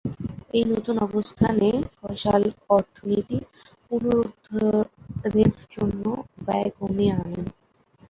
এই নতুন অবস্থানে ফয়সাল অর্থনীতি পুনরুদ্ধারের জন্য ব্যয় কমিয়ে আনেন।